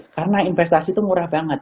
karena investasi itu murah banget